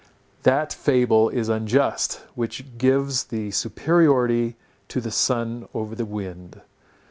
That fable is unjust, which gives the superiority to the sun over the wind.